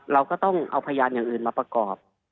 เราก็ต้องเอาพยานอย่างอื่นมาประกอบ